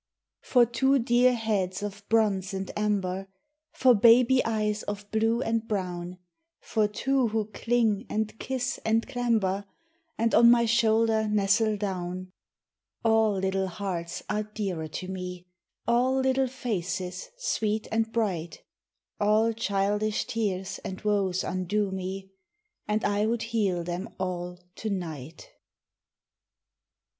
FOR two dear heads of bronze and amber, For baby eyes of blue and brown, For two who cling, and kiss, and clamber, And on my shoulder nestle down. All little hearts are dearer to me, All little faces sweet and bright, All childish tears and woes undo me, And I would heal them all to night.